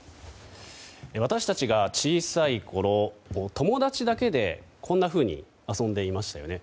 私たちが小さいころ友達だけで、こんなふうに遊んでいましたよね。